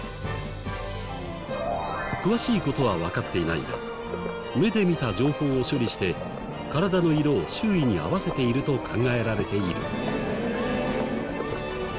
詳しい事はわかっていないが目で見た情報を処理して体の色を周囲に合わせていると考えられている。